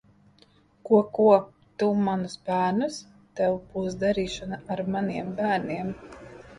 Ko, ko? Tu manus bērnus? Tev būs darīšana ar maniem bērniem!